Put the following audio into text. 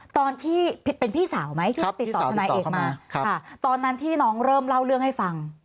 ตอนที่เป็นพี่สาวไหมที่ติดต่อทนายเอกมาค่ะตอนนั้นที่น้องเริ่มเล่าเรื่องให้ฟัง